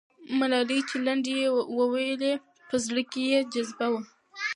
ملالۍ چې لنډۍ یې وویلې، په زړه کې یې جذبه وه.